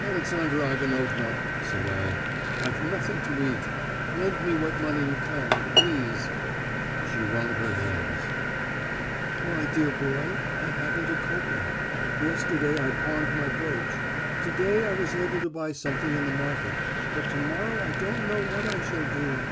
"'Alexandra Ivanovna,' said I. 'I've nothing to eat. Lend me what money you can, please.' "She wrung her hands. "'My dear boy, I haven't a copeck. Yesterday I pawned my brooch.... To day I was able to buy something in the market, but to morrow I don't know what I shall do.'